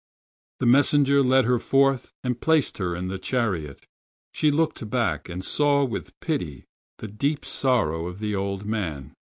The messenger led her forth and placed her in the chariot. She looked back, and saw with pity the deep sorrow of the old man.